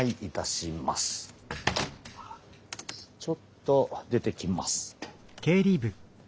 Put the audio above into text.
ちょっと出てきます。